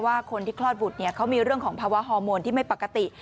ว่าคนที่คลอดบุตรเนี่ยเขามีเรื่องของภาวะฮอร์โมนที่ไม่ปกติ